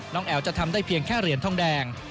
แอ๋วจะทำได้เพียงแค่เหรียญทองแดง